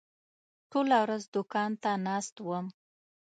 ټوله ورځ دوکان ته ناست وم.